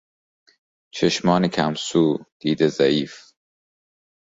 چشمان کم سو، دید ضعیف